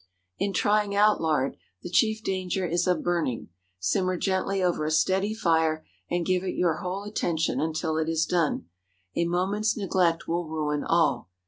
In trying out lard, the chief danger is of burning. Simmer gently over a steady fire, and give it your whole attention until it is done. A moment's neglect will ruin all.